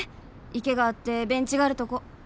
「池があってベンチがあるとこ」